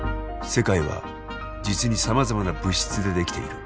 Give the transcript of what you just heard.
世界は実にさまざまな物質で出来ている。